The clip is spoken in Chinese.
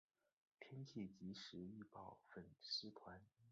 天气即时预报粉丝团